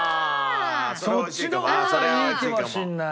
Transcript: そっちの方がいいかもしれない。